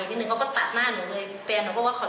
ทีนี้เราก็ทะยอยมากับเขา